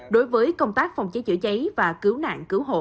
đối với công tác phòng cháy chữa cháy và cứu nạn cứu hộ